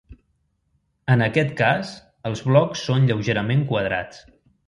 En aquest cas, els blocs són lleugerament quadrats.